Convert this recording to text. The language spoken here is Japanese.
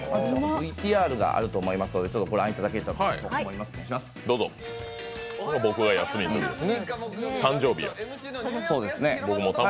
ＶＴＲがあると思いますので御覧いただけると思います。